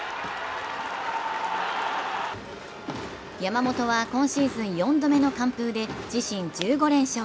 山本は今シーズン４度目の完封で自身１５連勝。